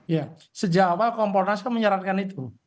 ya sejauh komponen saya menyerankan itu